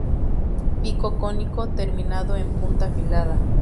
Pico cónico, terminado en punta afilada.